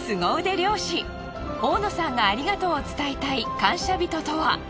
漁師大野さんがありがとうを伝えたい感謝人とは？